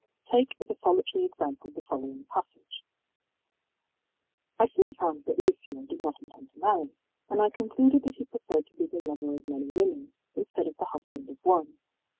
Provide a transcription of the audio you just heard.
Take as a solitary example the following passage: ëI soon found that Lucio did not intend to marry, and I concluded that he preferred to be the lover of many women, instead of the husband of one.